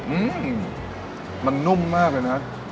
อืมมันนุ่มมากเลยนะ